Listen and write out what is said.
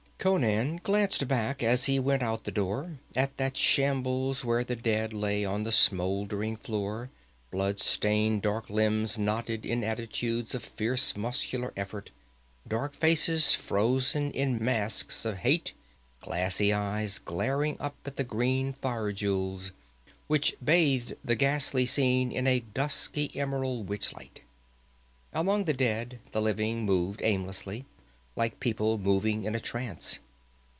Conan glanced back as he went out the door, at that shambles where the dead lay on the smoldering floor, blood stained dark limbs knotted in attitudes of fierce muscular effort, dark faces frozen in masks of hate, glassy eyes glaring up at the green fire jewels which bathed the ghastly scene in a dusky emerald witch light. Among the dead the living moved aimlessly, like people moving in a trance.